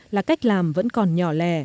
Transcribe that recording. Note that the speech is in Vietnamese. là cách làm vẫn còn nhỏ lẻ